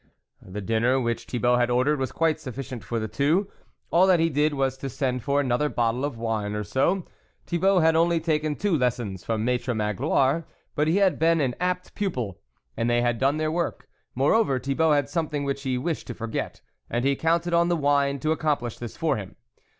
The dinner which Thibault had ordered was quite sufficient for the two ; all that he did was to send for another bottle or so of wine. Thibault had only taken two lessons from Maitre Magloire, but he had been an apt pupil, and they had done their work ; moreover Thibault had something which he wished to forget, and he counted on the wine to accomplish this for him.